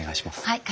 はい。